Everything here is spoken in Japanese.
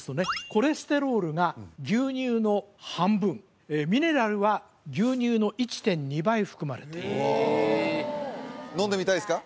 コレステロールが牛乳の半分ミネラルは牛乳の１．２倍含まれているおお飲んでみたいですか？